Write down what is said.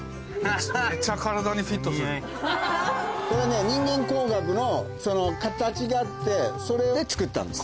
これね人間工学の形があってそれで作ったんです。